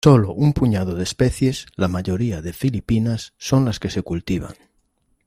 Sólo un puñado de especies, la mayoría de Filipinas, son las que se cultivan.